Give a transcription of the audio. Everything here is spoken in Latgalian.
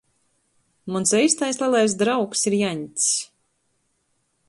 Muns eistais lelais draugs ir Jaņcs.